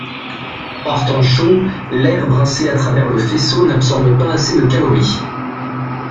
Par temps chaud, l'air brassé à travers le faisceau n'absorbe pas assez de calories.